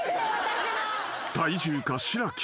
［体重かしらき。